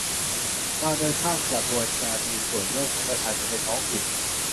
มาโดยข้ามกระบวนการมีส่วนร่วมของประชาชนในท้องถิ่น